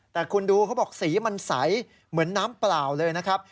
แต่คุณดูเขาบอกสีมันใสเหมือนน้ำเปล่าเลยนะครับ